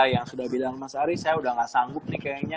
yang sudah bilang mas ari saya udah gak sanggup nih kayaknya